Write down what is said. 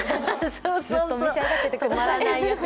ずっと召し上がっててください。